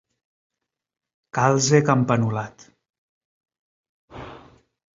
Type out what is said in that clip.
Calze campanulat.